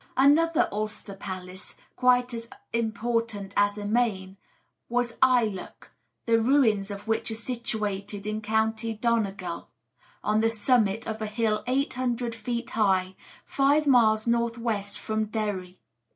Another Ulster palace, quite as important as Emain, was Ailech, the ruins of which are situated in County Donegal, on the summit of a hill 800 feet high, five miles north west from Derry.